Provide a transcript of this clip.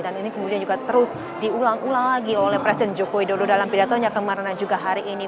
dan ini kemudian juga terus diulang ulang lagi oleh presiden joko widodo dalam pidatonya kemarin dan juga hari ini